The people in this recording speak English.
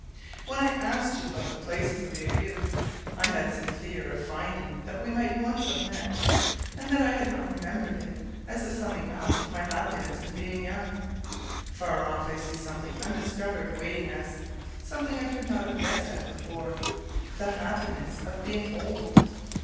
When I asked you about the places of your youth, I had some fear of finding that we might once have met, and that I had not remembered it as the summing up of my happiness in being young. Far off I see something undiscovered waiting us, something I could not have guessed at before the happiness of being old.